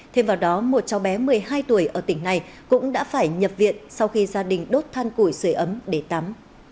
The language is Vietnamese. thêm vào đó một cháu bé một mươi hai tuổi ở tỉnh này cũng đã phải nhập viện sau khi gia đình đốt than củi sửa ấm để tắm